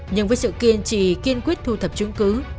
nhưng với sự kiên trì kiên quyết thu thập chứng cứ